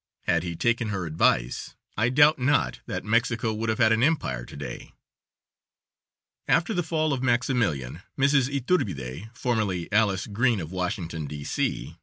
Had he taken her advice, I doubt not but that Mexico would have had an empire to day. After the fall of Maximilian, Mrs. Yturbide (formerly Alice Green, of Washington, D. C.)